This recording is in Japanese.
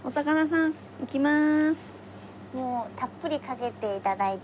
もうたっぷりかけて頂いて。